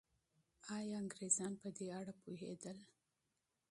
آیا انګریزان په دې اړه پوهېدل؟